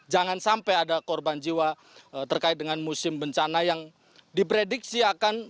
jangan sampai ada korban jiwa terkait dengan musim bencana yang diprediksi akan